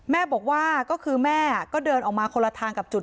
แม่บอกว่าก็คือแม่ก็เดินออกมาคนละทางกับจุด